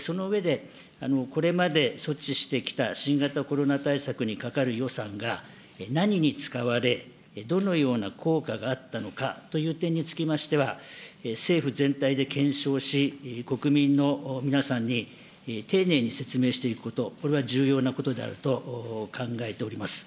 その上で、これまで措置してきた新型コロナ対策にかかる予算が何に使われ、どのような効果があったのかという点につきましては、政府全体で検証し、国民の皆さんに丁寧に説明していくこと、これは重要なことであると考えております。